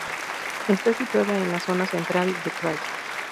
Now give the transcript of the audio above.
Está situada en la zona central del "krai".